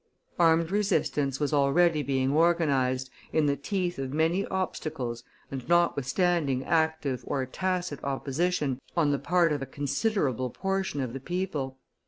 Armed resistance was already being organized, in the teeth of many obstacles and notwithstanding active or tacit opposition on the part of a considerable portion of the people.